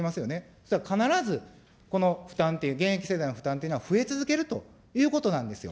そしたら、必ずこの負担っていう、現役世代の負担というのは増え続けるということなんですよ。